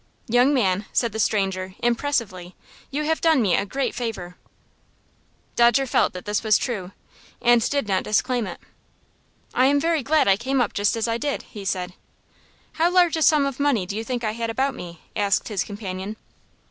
"Young man," said the stranger, impressively, "you have done me a great favor." Dodger felt that this was true, and did not disclaim it. "I am very glad I came up just as I did," he said. "How large a sum of money do you think I had about me?" asked his companion.